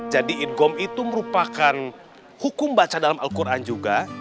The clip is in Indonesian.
jadi ingqom itu merupakan hukum baca dalam al quran juga